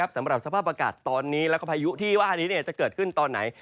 สำหรับสภาพอากาศตอนนี้แล้วก็พายุที่ว่านี้จะเกิดขึ้นตอนไหน